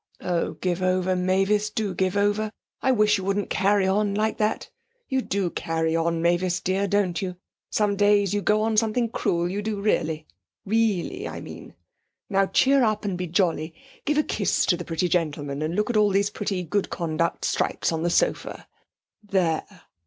'Oh, give over, Mavis, do give over! I wish you wouldn't carry on like that; you do carry on, Mavis dear, don't you? Some days you go on something cruel, you do really. Reely, I mean. Now, cheer up and be jolly. Give a kiss to the pretty gentleman, and look at all these pretty good conduct stripes on the sofa! There!